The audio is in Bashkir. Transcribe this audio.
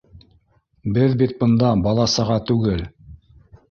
Беҙ бит бында бала-саға түгел